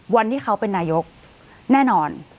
วันที่เขาเป็นนายกแน่นอน